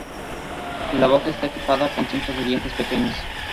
La boca está equipada con cientos de dientes pequeños.